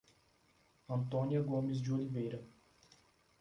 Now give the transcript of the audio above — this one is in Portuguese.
Antônia Gomes de Oliveira